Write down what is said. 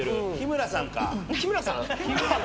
日村さん？